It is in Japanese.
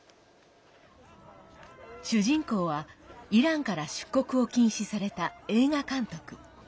主人公は、イランから出国を禁止された映画監督。